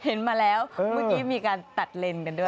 เห็นมาแล้วเมื่อกี้มีการตัดเลนส์กันด้วย